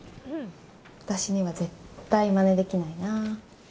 私には絶対まねできないな。